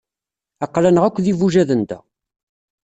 Aql-aneɣ akk d ibujaden da.